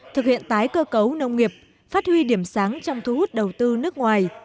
thực hiện tái cơ cấu nông nghiệp phát huy điểm sáng trong thu hút đầu tư nước ngoài